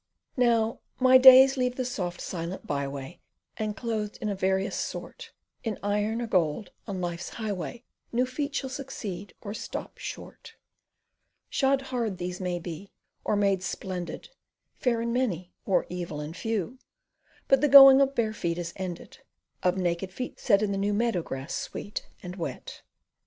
Now my days leave the soft silent byway, And clothed in a various sort, In iron or gold, on life's highway New feet shall succeed, or stop short Shod hard these maybe, or made splendid, Fair and many, or evil and few, But the going of bare feet has ended, Of naked feet set in the new Meadow grass sweet and wet.